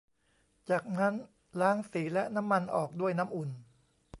จากนั้นล้างสีและน้ำมันออกด้วยน้ำอุ่น